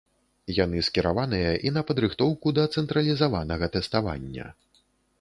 Яны скіраваныя і на падрыхтоўку да цэнтралізаванага тэставання.